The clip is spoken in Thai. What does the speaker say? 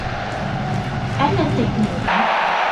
แอตแลนติกเหนือ